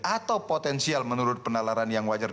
atau potensial menurut penalaran yang wajar